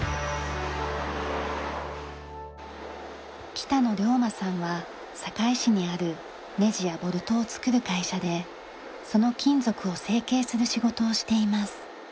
北野竜馬さんは堺市にあるネジやボルトを作る会社でその金属を成型する仕事をしています。